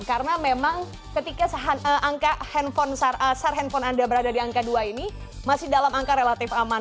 karena memang ketika angka handphone sar sar handphone anda berada di angka dua ini masih dalam angka relatif aman